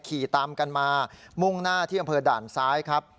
ขี่ตามกันมามุ่งหน้าที่อำเภอด่านซ้ายครับ